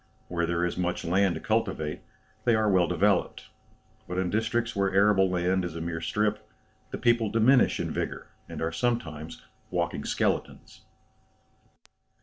Where there is much land to cultivate, they are well developed; but in districts where arable land is a mere strip, the people diminish in vigour, and are sometimes walking skeletons."